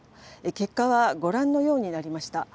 結果はご覧のようになりました。